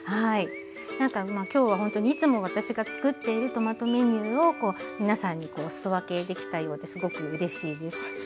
なんか今日はほんとにいつも私がつくっているトマトメニューを皆さんにお裾分けできたようですごくうれしいです。